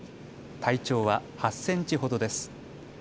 体長は８センチほどです。